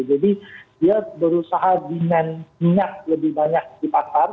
jadi dia berusaha demand minyak lebih banyak di pasar